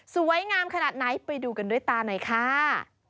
สวยงามขนาดไหนไปดูกันด้วยตาหน่อยค่ะ